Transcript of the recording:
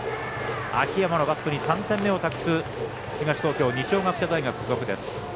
秋山のバットに３点目を託す東東京、二松学舎大学付属です。